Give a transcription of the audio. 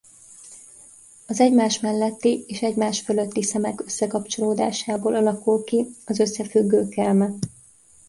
Az egymás melletti és egymás fölötti szemek összekapcsolódásából alakul ki az összefüggő kelme.